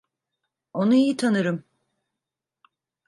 Onu iyi tanırım.